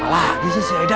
malah abis ya si aida